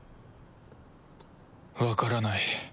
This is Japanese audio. わからない